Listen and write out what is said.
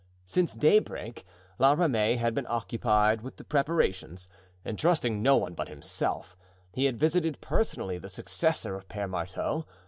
Since daybreak La Ramee had been occupied with the preparations, and trusting no one but himself, he had visited personally the successor of Pere Marteau.